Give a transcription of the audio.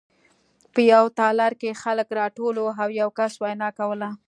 په یوه تالار کې خلک راټول وو او یو کس وینا کوله